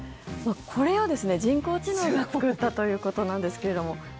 これを人工知能が作ったということなんですけども。